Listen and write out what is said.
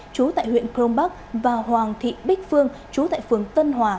chú tại huyện crong bắc và hoàng thị bích phương chú tại phường tân hòa